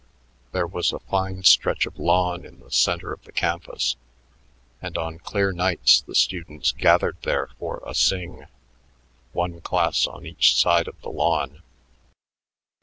There was a fine stretch of lawn in the center of the campus, and on clear nights the students gathered there for a sing, one class on each side of the lawn.